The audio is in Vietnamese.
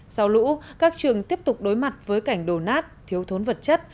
sau lũ các trường tiếp tục đối mặt với cảnh đổ nát thiếu thốn vật chất